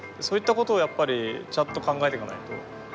そういったことをやっぱりちゃんと考えていかないと。